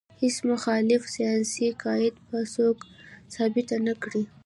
هیڅ مخالفه ساینسي قاعده به څوک ثابته نه کړي.